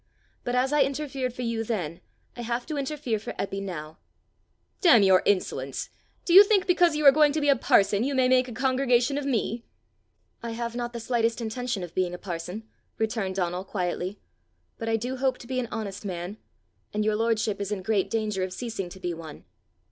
But as I interfered for you then, I have to interfere for Eppie now." "Damn your insolence! Do you think because you are going to be a parson, you may make a congregation of me!" "I have not the slightest intention of being a parson," returned Donal quietly, "but I do hope to be an honest man, and your lordship is in great danger of ceasing to be one!"